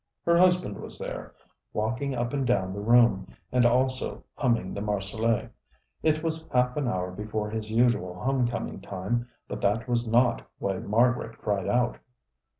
Her husband was there, walking up and down the room, and also humming the Marseillaise. It was half an hour before his usual home coming time, but that was not why Margaret cried out.